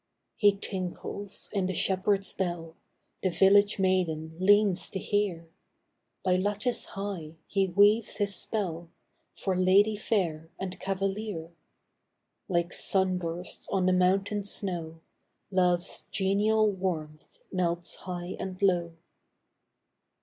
He tinkles in the shepherd s bell The village maiden leans to hear By lattice high he weaves his spell, For lady fair and cavalier : Like sun bursts on the mountain snow, Love s genial warmth melts high and low.